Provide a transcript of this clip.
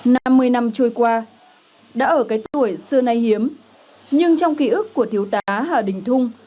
năm mươi năm trôi qua đã ở cái tuổi xưa nay hiếm nhưng trong ký ức của thiếu tá hà đình thung